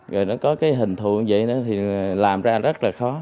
rồi nó có cái hình thụ như vậy nữa thì làm ra rất là khó